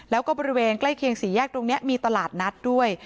แล้วก็บริเวณใกล้เคียงสี่แยกตรงนี้มีตลาดนัดด้วย